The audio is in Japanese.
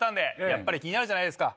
やっぱり気になるじゃないですか。